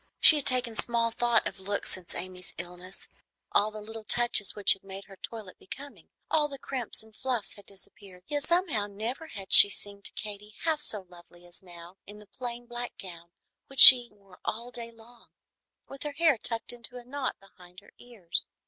She had taken small thought of looks since Amy's illness. All the little touches which had made her toilette becoming, all the crimps and fluffs, had disappeared; yet somehow never had she seemed to Katy half so lovely as now in the plain black gown which she wore all day long, with her hair tucked into a knot behind her ears.